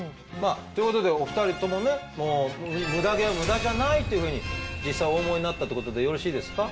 ということでお二人ともねムダ毛はムダじゃないというふうに実際お思いになったってことでよろしいですか？